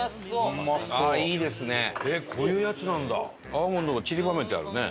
アーモンドがちりばめてあるね。